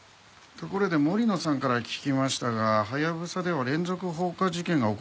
ところで森野さんから聞きましたがハヤブサでは連続放火事件が起こっているそうじゃないですか。